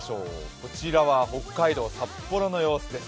こちらは北海道札幌の様子です。